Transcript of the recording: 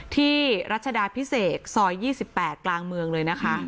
รัชดาพิเศษซอย๒๘กลางเมืองเลยนะคะ